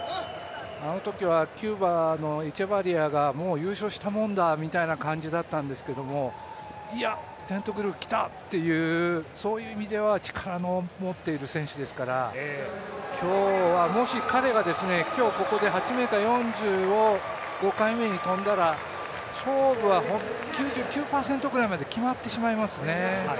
あのときはキューバのエチェバリアが優勝したもんだという感じだったんですけど、テントグルきたっていう意味では力の持っている選手ですから今日はもし彼がここで８ｍ４０を５回目に跳んだら、勝負は９９％くらいまで決まってしまいますね。